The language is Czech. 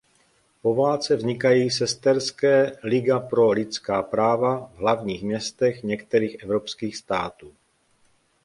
Po válce vznikají sesterské Liga pro lidská práva v hlavních městech některých evropských států.